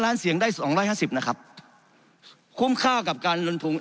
๑๕ล้านเสียงได้๒๕๐นะครับคุ้มค่ากับการหลุมพุง